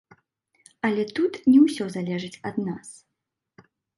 Але тут не ўсё залежыць ад нас.